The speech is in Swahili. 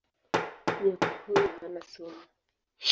Nyoka huyu hana sumu.